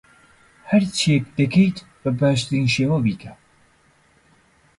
هەرچییەک دەکەیت، بە باشترین شێوە بیکە.